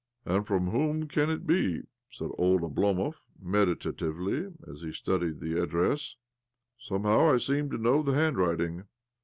"And from whom can it be?" said old Oblomov meditatively as he studied the address. " Somehow I seem to know the handwriting."